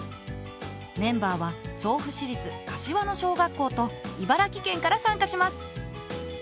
メンバーは調布市立柏野小学校と茨城県から参加します